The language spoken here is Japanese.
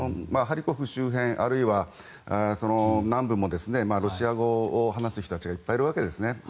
ハリコフ周辺あるいは南部もロシア語を話す人たちがいっぱいいるわけですね。